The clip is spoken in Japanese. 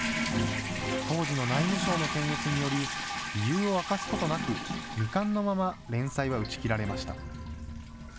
当時の内務省の検閲により、理由を明かすことなく、未完のまま、連載は打ち切られました。